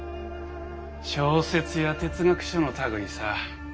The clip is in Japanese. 小説や哲学書の類いさ。